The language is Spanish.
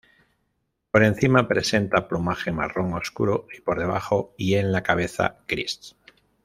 Por encima presenta plumaje marrón oscuro, y por debajo y en la cabeza gris.